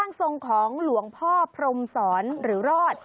ทรงของหลวงพ่อพรมศรหรือรอด